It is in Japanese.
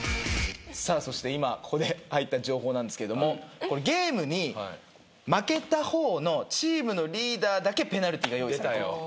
さあそして今ここで入った情報なんですけどもゲームに負けた方のチームのリーダーだけペナルティーが用意されてると。